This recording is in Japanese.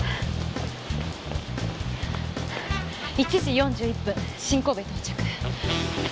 １時４１分新神戸到着。